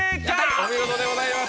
お見事でございます。